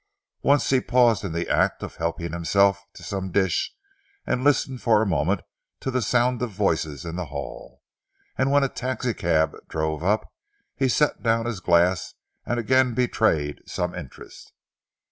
Once he paused in the act of helping himself to some dish and listened for a moment to the sound of voices in the hall, and when a taxicab drove up he set down his glass and again betrayed some interest.